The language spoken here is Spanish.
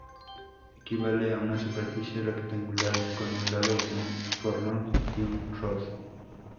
Equivale a una superficie rectangular con un lado de un furlong y un rod.